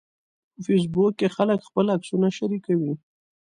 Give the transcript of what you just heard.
په فېسبوک کې خلک خپل عکسونه شریکوي